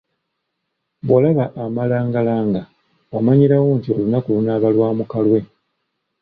Bw'olaba amalangalanga omanyirawo nti olunaku lunaaba lwa mukalwe.